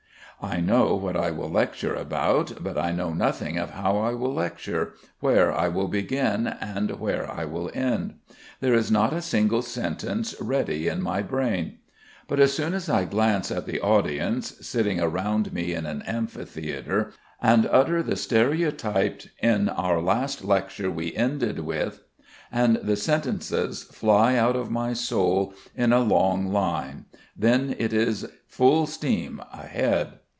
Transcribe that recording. I know what I will lecture about, but I know nothing of how I will lecture, where I will begin and where I will end. There is not a single sentence ready in my brain. But as soon as I glance at the audience, sitting around me in an amphitheatre, and utter the stereotyped "In our last lecture we ended with...." and the sentences fly out of my soul in a long line then it is full steam ahead.